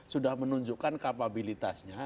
sudah menunjukkan kapabilitasnya